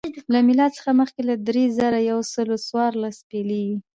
له میلاد څخه مخکې له درې زره یو سل څوارلس پیلېږي